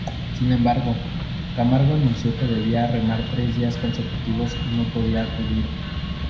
Sin embargo, Camargo anunció que debía remar tres días consecutivos y no podía acudir.